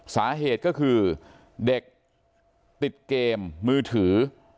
สาเหตุก็คือเด็กติดเกมมือถือ